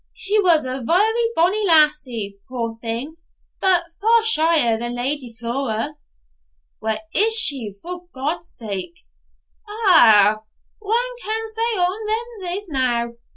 'She was a very bonny lassie, poor thing, but far shyer than Lady Flora.' 'Where is she, for God's sake?' 'Ou, wha kens where ony o' them is now?